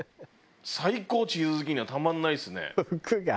チーズ好きにはたまんないですね。